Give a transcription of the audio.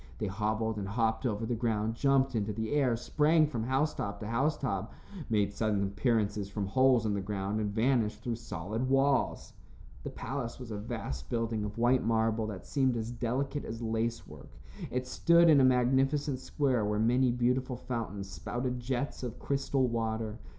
They hobbled and hopped over the ground, jumped into the air, sprang from housetop to housetop, made sudden appearances from holes in the ground and vanished through solid walls. The palace was a vast building of white marble that seemed as delicate as lace work. It stood in a magnificent square where many beautiful fountains spouted jets of crystal water.